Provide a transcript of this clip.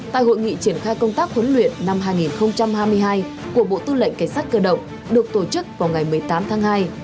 tại hội nghị triển khai công tác huấn luyện năm hai nghìn hai mươi hai của bộ tư lệnh cảnh sát cơ động được tổ chức vào ngày một mươi tám tháng hai